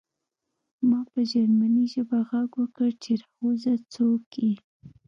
ما په جرمني ژبه غږ وکړ چې راوځه څوک یې